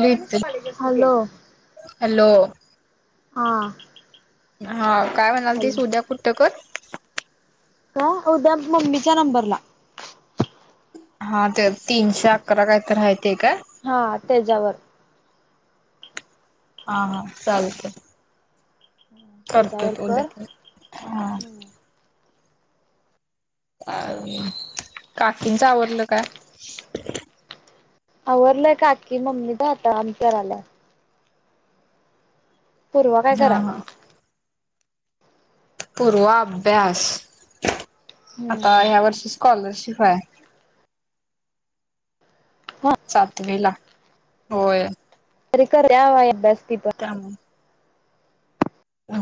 Hello hello हा. हा काय म्हणाल तेी स हॅलो उद्या कुठ्ट कर. ह उद्या मम्मीच्या नंबरला हा ते तीनशे अकरा काय तर राहते का? हा त्याच्यावर हा हा चालत. करतो त्याच्यावर कर उद्या हा अ काकींचं आवरलं का आवरलंय काकी मम्मी जात आमच्या राला पूर्वा काय हा करायल्या पूर्वा अभ्यास आता हम्म ह्या वर्षी स्कॉलरशि व्हय हा सातवी ला होय तरी करतीया व्हय अभ्यास ती पण काम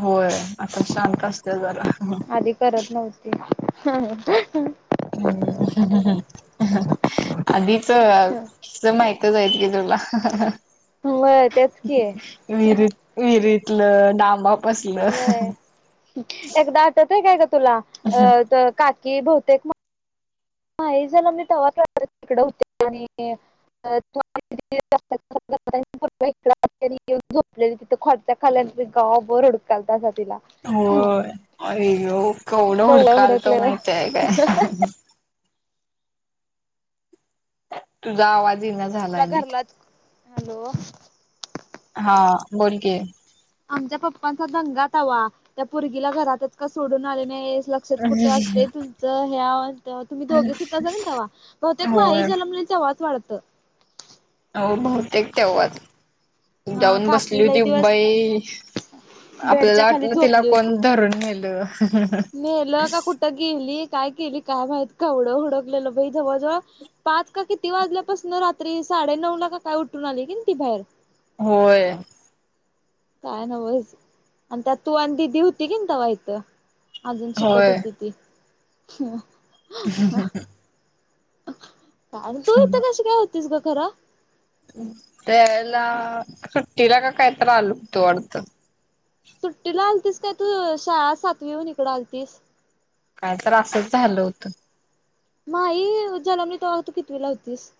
होय आता शांत असतीया जरा आधी करत नव्हती ह ह आधीच समाय वर हायत की तुला व्हय तेच की विहरीत विहरीत तुलं नाम अप व्हय एकदा आठवतयं का ग तुला अ त काच की बहुतेक [unintelligible] [inaudible] होय आंयो केवढं हुडखलतो माहित आहे काय तुझा आवाज इना तिला झालाय नीट घरलाच हॅलो हा बोल की आमच्या पप्पांचा दंगाच हवा त्या पुर्गीला घरातच का सोडून आले नाही लक्षात कुठं असते तुमं्या तुम्ही दोघेच सुाल ना ते बहुतेक मा होय झाला म्ह वास वाढतो हो तेव्हाच हा जाऊन बसली काकी लय होती दिवस मुंबई आपल्याला बेडच्या खाली वाटल तिला झोपली कोण होती धरून न्हेलं नेलं का कुठं गेली काय केली काय माहित केवढ हुडकलेलो जवळ जवळ पाच का किती वाजल्यापासून रात्री साडे नऊ ला का काय उठून आली कनी ती बाहेर होय काय नवच आणि त्यात तू आणि दिदी होती की नाय तवा इथ आजून शिकत होती ती ह हम् हम् ह आणि तू इथं कशी काय होतीस ग खरं त्यावेळेला सुट्टीला का कायतरी आलो होतो वाटतं सुट्टीला आलतीस काय तू शाळा सातवी हुन इकडं आलतीस काय तर असंच झालं हुतं माही जनमली तवा तू कितवी ला हुतीस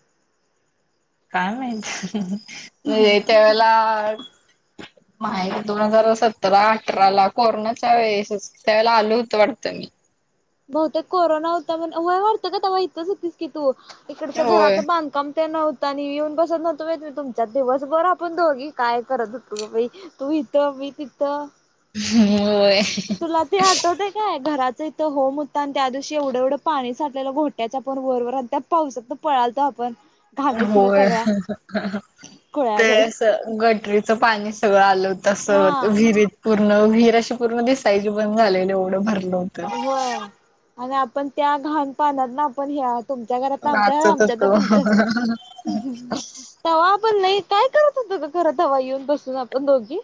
काय माहित म्हणजे त्या वेळेला माहे दोन हजार सतरा अठरा ला कोरोनाच्या वेळेसच त्या वेळेला आलो होतो वाटतं मी बहुतेक कोरोना होता म्हणून होय वाटतं ग तवा हितच होतीस की तू इकडचं होय. घराचं बांधकाम ते नव्ह आणि येऊन बसत नवतो मी तुमच्यात दिवसभर आपण दोघी काय करत हुतो बघ बाई तू इथं मी तिथं होय तुला ते आठवते काय घरात इथ हो मुता आणि त्या दिवशी एवढं एवढं पाणी साठल्यालं घोट्याच्या पण वर आणि त्या पावसातनं पळालतो आपण घाबीतन होय सगळ्या ते खुळ्यागत असं गटरीचं पाणी सगळं आलं हा तसं विहीरीत पूर्ण विहीर अशी पूर्ण दिसायची बंद झालेली एवढं भर होय आणि आपण त्या घाण पाण्यातन आपण ह्यात तुमच्या घरात आमच्या, नाचत आमच्यात होतो तुमच्या, तवा पण नाही काय करत होतो खर दवा येऊन बसून आपण दोघी?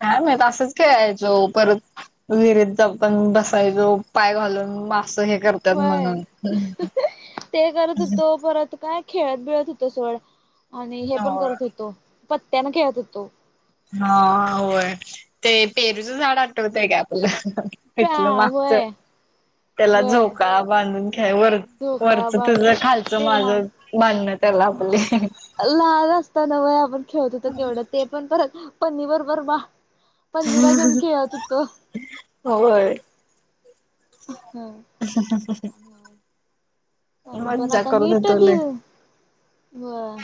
काय माहित असंच खेळायचो परत विहिरीत ज पण बसायचो पाय घालून हे करतात होय म्हणून. ते करत हुतू परत काय खेळत बिळत होतो सोड आणि हे पण होय. करत होतो पत्त्याना खेळत होतो. हा हा होय ते पेरूचं झाड आठवतय काय आपलं? प्या फिटलं मागच व्हय. त्याला व्हय झोका बांधून खेळायचं वर धोका वरच बाज तझ खालचं ते लहान माझं बांधण त्याला आपली लहान असताना व्हय आपण खेवत होत केवढं ते पण परत पनी बर बर बा पनीला घेऊन खेळत होतो. होय हं पणून पण मज्जा आता करत नीट होतो दि लय व व्हय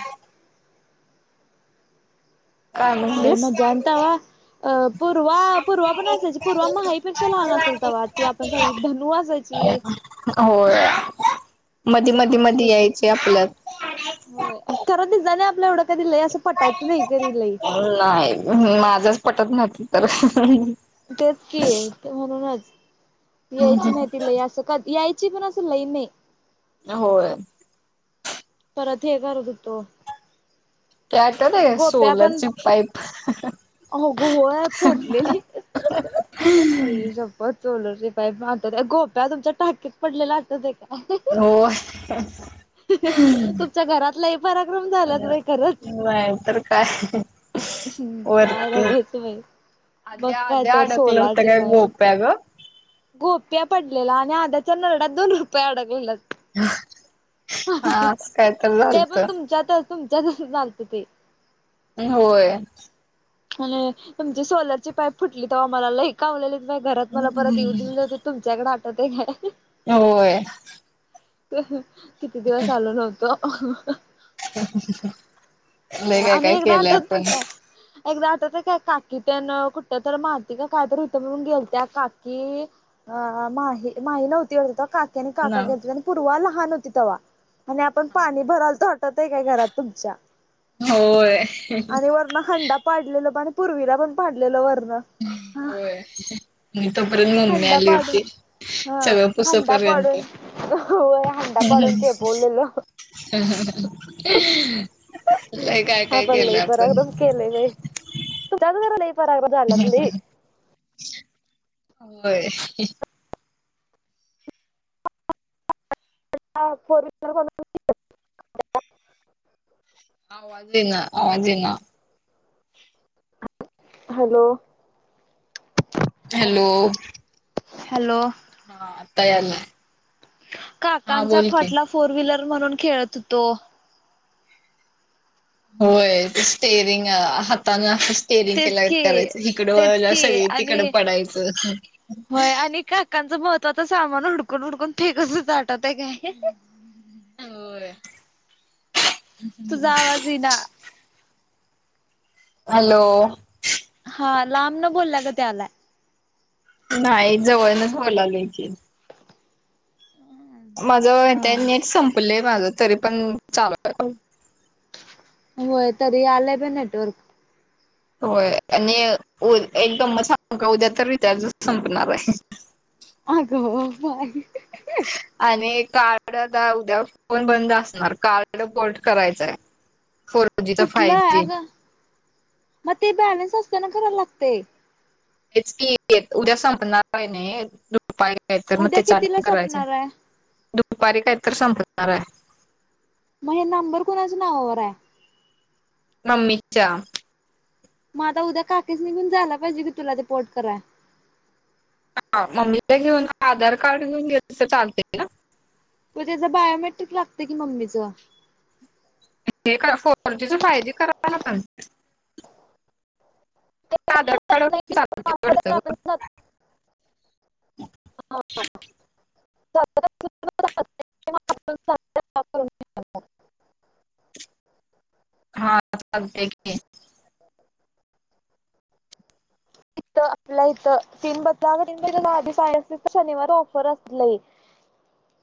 काय लई म्हणलीस? मज्जा आणि तवा अ पूर्वा पूर्वा पण असायची पूर्वा मीही पेक्षा लहान असेल तर वा ती आपण सगळी धनु असायची ते हे होय मधी मधी धनो‌ एक मधी होती यायचे आपल्यात होय तीच आणि आम नाही माझंच पटत नाही नव्हतं तर तेच की म्हणूनच यायची नाही तिला या कधी यायच ची पणा अस लय नाय होय परत हे करत होतो, ती आठवय काय सोलरची पाईप हो ग हो फोटलेली आई शपथ सोलरची पाईप म्हाताऱ्या, गोप्या तुमच्या टाकीत पडलेला आठवताय काय हो हं तुमच्या घरात लय पराक्रम झाल्यात बाई खरंच. नाही तर काय ह् काय वरती नव्हच बाई मग आद्या काय आद्या तर अडकलं होतं सोलारचे काय पाईप, गोप्या ग गोप्या पडलं त्याला आणि आद्याच्या नरडात दोन रुपये अडकलेले हा असं काय तर ते झालत पण तुमच्यातच तुमच्यातच झालात ते होय आणि तुमची सोलर ची पाईप फुटली तवा मला लय कावल्यालीत घरात मला परत येऊ दिली नव्हती तुमच्याकडे, आठवते काय? होय किती दिवस आलो नव्हतो. काय आणि काय एकदा केलंय आठवतय आपण काय एकदा आठवत काय काकी त्यन कुठ तर माती का कायतरी होथं म्हणून गेलत्या काकी अ मा माही नव्हती वाटतं आणि ना काका घेत हो आणि पूर्वा लहान होती तेव्हा आणि आपण पाणी भरलतो आठवत काय घरात तुमच्या होय आणि वरण हांड पाडलेलं प पूर्वीला पण पाडलेलं वर होय म तोपर्यंत मम्मी हंडा आली होती सगळं पुसुपर्यंत पडून व्हय हंडा पाडून चेपवल्यालो. ह हहा आपण लई पराक्रम केलाय बाई तूमच्याच घरात लई पराक्रम झाल्यात लई. होय फोर वहीलर [inaudible] आवाज येईना, आवाज येईना. हॅलो. हॅलो. हॅलो. हा आता यायला. काकांचा खाट ला फोर व्हीलर म्हणून खेळत होतो. होय स्टेरिंग हातानं. स्टेरींग तेच केल्यागत की करायचं इकडं तेच वळला की सगळे तिकडं आणि पडायचं. काकाच महत्वाचं सामान हुडकून हुडकून फेकत होतो आठवतंय काय. होय तुझा आवाज येईना. हालो. हा लांब न बोलल्या गत यायला. नाही जवळणंच बोलावलं की. माझं हा ते नेट संपले माझं तरी पण चालु होय तरी आलंय बे नेटवर्क. होय आणि उ एकदम मझा उद्या तर रिचार्जचं संपणारे. आगं हो बाई. आणि एक कार्ड आता उद्या फोन बंद असणार कार्ड पोर्ट करायचंय फोर जी च कुठलं फाई आहे जी. अगं मग ते बॅलन्स असताना कराल लागतये. हेच की ये उद्या संपणारेना हे. पाय काय तर मग उद्या ते कितीला चार्जिंग करायचंय सपणार आहे दु दुपाारी काय तर संपनारे. मग हे नंबर कोुणाच्या नावावरे. मम्मीच्या. म आता उद्या काकीसनी घेउन जाला पाहिजे कि तुला ते पोर्ट कराया. ह मम्मीला घेऊन आधार कार्ड घेऊन गेलं त चालत का? पूजेचं बायोमेट्रिक लागतंय कि मम्मीच. हे काय फोरजी चं फाय जी करायला पण. फक्त आधार कार्ड चालत पडतं ग. [inaudible] [unintelligible] [inaudible] चालतंय की. [inaudible] आपल्या इथं तीन बदला [inaudible] आधी सायन्स तर शनिवार ऑफर असते लाई. [inaudible]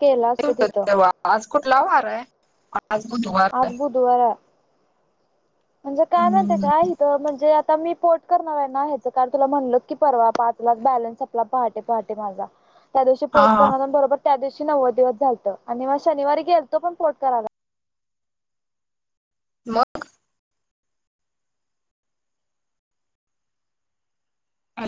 केला असतो [unintelligible] तिथं तेव्हा आज कुठला वारे आज बुधवारे. आज बुधवार आहे. म्हणजे काय माहितीये हम्म का इथं म्हणजे आ तर मी पोर्ट करणाऱ्यांना ह्याचं, काल तुला म्हणल की परवा पाच लाच बॅलेन्स संपला पहाटे पहाटे माझा. त्या दिवशी पोर्ट हा करून आलो न् बरोबर त्या दिवशी नव्वद दिवस झालतं आणि मग शनिवारी गेलतो पण पोर्ट करायला. मग. मग